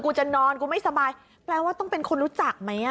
กูไม่เล่นกับมึงกูจะนอนกูไม่สบายแปลว่าต้องเป็นคนรู้จักไหม